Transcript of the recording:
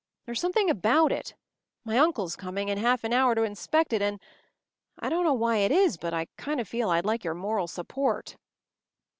There’s something about it—My uncle’s coming in half an hour to inspect it, and—I don’t know why it is, but I kind of feel I’d like your moral support!